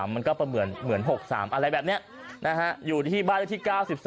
มันก็เหมือน๖๓อะไรแบบนี้อยู่ที่บ้านเลขที่๙๒